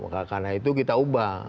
karena itu kita ubah